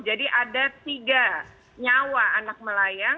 jadi ada tiga nyawa anak melayu